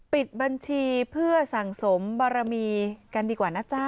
ปิดบัญชีเพื่อสั่งสมบารมีกันดีกว่านะจ๊ะ